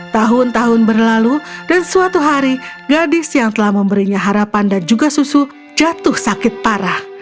tahun tahun berlalu dan suatu hari gadis yang telah memberinya harapan dan juga susu jatuh sakit parah